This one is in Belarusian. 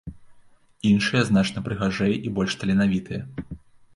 Іншыя значна прыгажэй і больш таленавітыя.